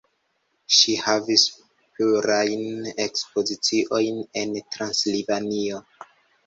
Ŝi havis plurajn ekspoziciojn en Transilvanio.